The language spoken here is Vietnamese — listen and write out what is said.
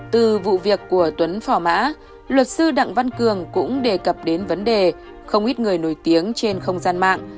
từ vụ việc của tuấn phò mã luật sư đặng văn cường cũng đề cập đến vấn đề không ít người nổi tiếng trên không gian mạng